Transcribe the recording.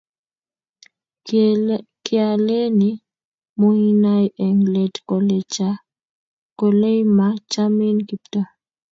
kialeni muinai Eng' let kole ma chamin Kiptoo